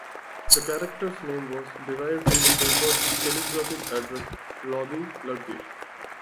The character's name was derived from the paper's telegraphic address, "Lobby, Ludgate".